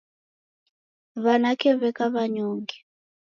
W'anake w'eka w'anyonge.